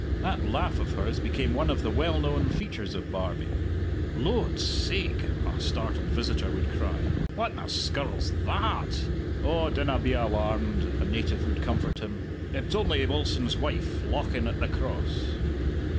That laugh of hers became one of the well known features of Barbie. "Lo'd sake!" a startled visitor would cry, "whatna skirl's tha at!" "Oh, dinna be alarmed," a native would comfort him, "it's only Wilson's wife lauchin at the Cross!"